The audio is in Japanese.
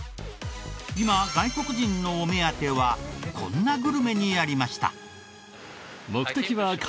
今外国人のお目当てはこんなグルメにありました。